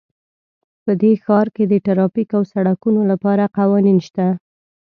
په دې ښار کې د ټرافیک او سړکونو لپاره قوانین شته